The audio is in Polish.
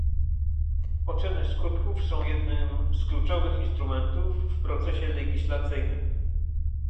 Oceny skutków są jednym z kluczowych instrumentów w procesie legislacyjnym